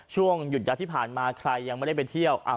ช่วงหยุดยาวที่ผ่านมาใครยังไม่ได้ไปเที่ยว